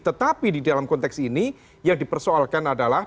tetapi di dalam konteks ini yang dipersoalkan adalah